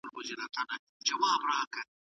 د معلولینو لپاره باید اسانتیاوې وي.